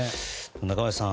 中林さん